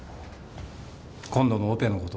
今度のオペの事。